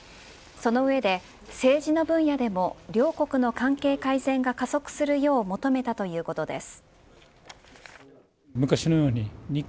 その上で、政治の分野でも両国の関係改善が加速するよう求めたということです。